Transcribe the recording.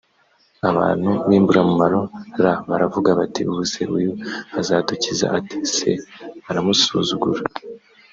abantu b imburamumaro r baravuga bati ubu se uyu azadukiza ate s baramusuzugura